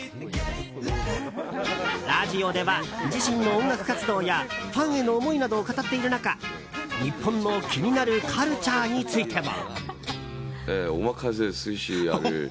ラジオでは、自身の音楽活動やファンへの思いなどを語っている中日本の気になるカルチャーについても。